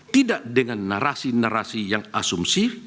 tidak dengan narasi narasi yang asumsi